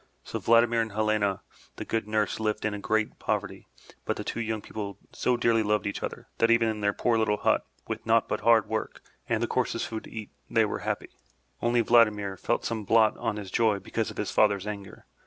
So Vladimir and Helena and the good nurse lived in great poverty, but the two young people so dearly loved each other, that even in their poor Uttle hut with naught but hard work 370 THROUGH FAIRY HALLS and the coarsest of food to eat, they were happy. Only Vladimir felt some blot on his joy because of his father's anger.